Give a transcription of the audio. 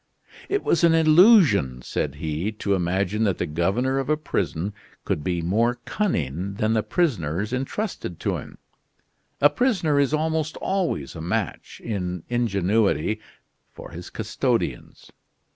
"It was an illusion," said he, "to imagine that the governor of a prison could be more cunning than the prisoners entrusted to him. A prisoner is almost always a match in ingenuity for his custodians."